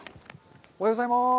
おはようございます。